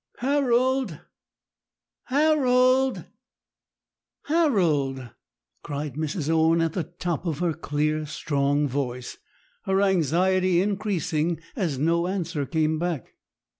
* "Harold, Harold, Harold!" cried Mrs. Owen, at the top of her clear, strong voice, her anxiety increasing as no answer came back.